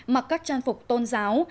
mặc các trang phục tôn giáo